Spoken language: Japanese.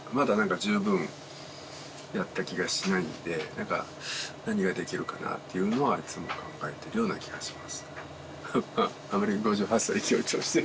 何か何ができるかなっていうのはいつも考えてるような気がします